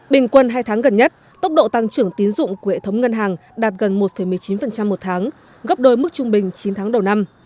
bình quân hai tháng gần nhất tốc độ tăng trưởng tín dụng của hệ thống ngân hàng đạt gần một một mươi chín một tháng gấp đôi mức trung bình chín tháng đầu năm